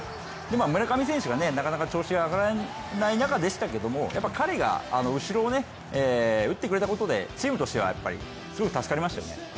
村上選手がなかなか調子が上がらない中でしたけれども、やっぱり彼が後ろを打ってくれたことでチームとしてはすごい助かりましたよね。